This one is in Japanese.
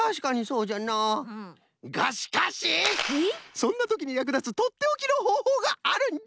そんなときにやくだつとっておきのほうほうがあるんじゃ！